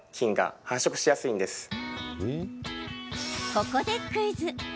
ここでクイズ。